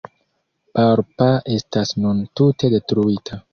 Barpa estas nun tute detruita.